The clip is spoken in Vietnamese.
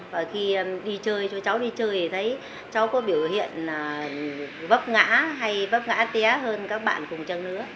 và khi đi chơi cho cháu đi chơi thì thấy cháu có biểu hiện bấp ngã hay bấp ngã té hơn các bạn cùng chân nữa